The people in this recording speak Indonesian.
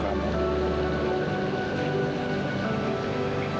kamu dengan semangat